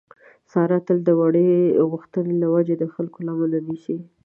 ساره تل د وړې غوښتنې له وجې د خلکو لمنه نیسي.